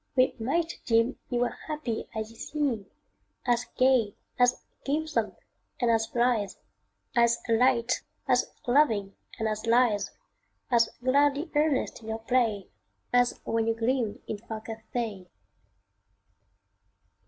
we might deem Ye were happy as ye seem As gay, as gamesome, and as blithe, As light, as loving, and as lithe, As gladly earnest in your play, As when ye gleamed in far Cathay.